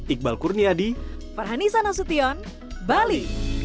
iqbal kurnia di farhani sanasution bali